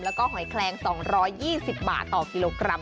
แล้วก็หอยแคลง๒๒๐บาทต่อกิโลกรัม